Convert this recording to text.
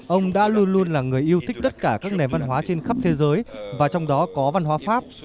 ông đã luôn luôn là người yêu thích tất cả các nền văn hóa trên khắp thế giới và trong đó có văn hóa pháp